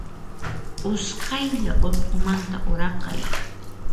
Usqaylla urqumanta uraqay.